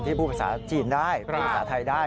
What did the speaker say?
ที่พูดภาษาจีนได้ภาษาไทยได้